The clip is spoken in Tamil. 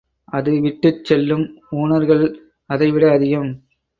அது விட்டுச் செல்லும் ஊனர்கள் அதைவிட அதிகம்.